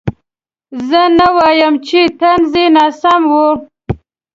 زه نه وایم چې طنز یې ناسم و.